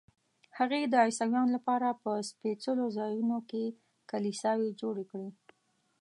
هغې د عیسویانو لپاره په سپېڅلو ځایونو کې کلیساوې جوړې کړې.